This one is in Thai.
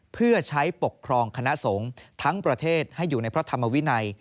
เพื่อใช้ปกครองคณะสงฆ์ทั้งประเทศให้อยู่ในพระธรรมวินัย